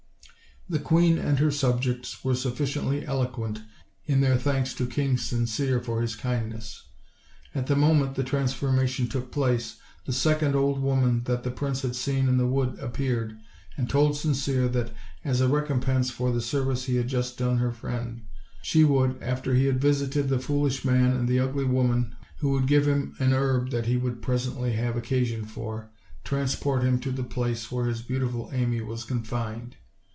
The queen and her subjects were sufficiently eloquent in their thanks to King Sincere for his kindness. At the moment the transformation took place, the second old woman that the prince had seen in the wood appeared and told Sin cere that, as a recompense for the service he had just done her friend, she would, after he had visited the fool ish man and the ugly woman (who would give him a herb that he would presently have occasion for), transport him to the place where his beautiful Amy was confined.